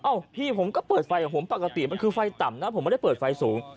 พี่ผมก็เปิดไฟกับผมปกติมันคือไฟต่ำนะผมไม่ได้เปิดไฟสูง